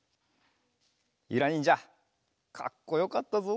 ゆらにんじゃかっこよかったぞ。